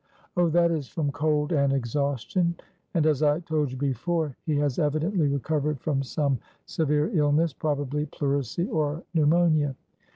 "Oh, that is from cold and exhaustion, and, as I told you before, he has evidently recovered from some severe illness, probably pleurisy or pneumonia.